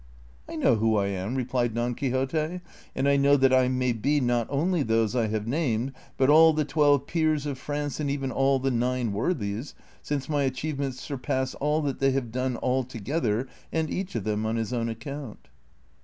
" I know who I am," replied Don Quixote, " and I know that I may be not only those I have named, but all the Twelve Peers of France and even all the Nine Worthies, since my achievements surpass all that they have done all together and each of them on his own account."